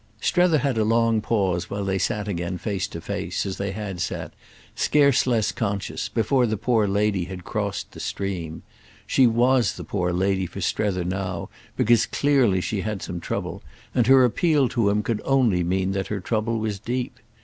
Strether had a long pause while they sat again face to face, as they had sat, scarce less conscious, before the poor lady had crossed the stream. She was the poor lady for Strether now because clearly she had some trouble, and her appeal to him could only mean that her trouble was deep.